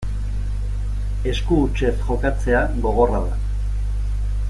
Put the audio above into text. Esku hutsez jokatzea gogorra da.